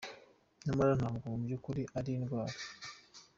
Nyamara ntabwo mu by`ukuri ari indwara.